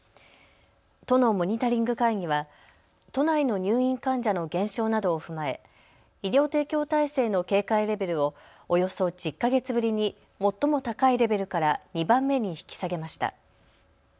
都のモニタリング会議は都内の入院患者の減少などを踏まえ医療提供体制の警戒レベルをおよそ１０か月ぶりに最も高いレベルから２番目に引き下げました。